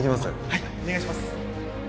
はいお願いします